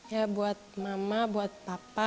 ya buat mama buat papa